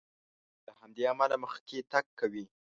نو له همدې امله مخکې تګ کوي.